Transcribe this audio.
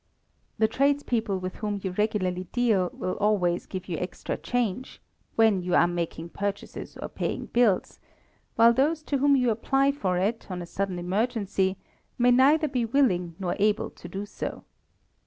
The tradespeople with whom you regularly deal will always give you extra change, when you are making purchases or paying bills; while those to whom you apply for it, on a sudden emergency, may neither be willing nor able to do so.